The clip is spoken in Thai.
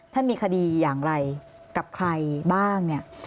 มันมีคดีอย่างไรกับใครบ้างเนี่ย